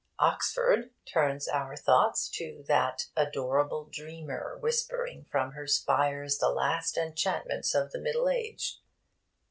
'Oxford' turns our thoughts to that 'adorable dreamer, whispering from her spires the last enchantments of the Middle Age.'